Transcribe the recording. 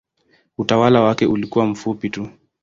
Utawala wake ulikuwa mfupi tu.